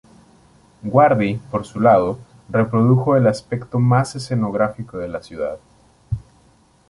Guardi, por su lado, reprodujo el aspecto más escenográfico de la ciudad.